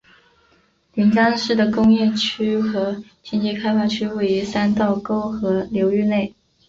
临江市的工业区和经济开发区位于三道沟河流域内。